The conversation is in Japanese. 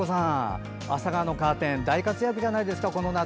アサガオのカーテン大活躍じゃないですか、この夏。